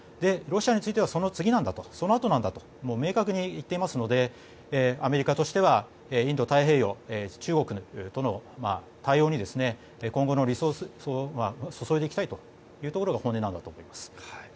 ロシアについてはその次なんだとそのあとなんだと明確に言っていますのでアメリカとしてはインド太平洋、中国との対応に今後のリソースを注いでいきたいというところが本音なんだと思います。